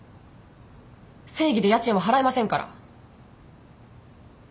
正義で家賃は払えませんから。